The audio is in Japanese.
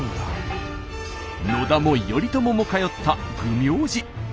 野田も頼朝も通った弘明寺。